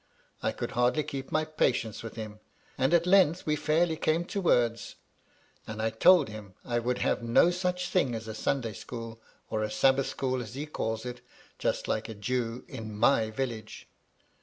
I could hardly keep my patience with him, and at length we fairly came to words; and I told him I would have no such thing as a Sunday school (or a Sabbath school, as he calls it, just like a Jew) in my village."